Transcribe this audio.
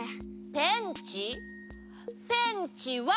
ペンチは。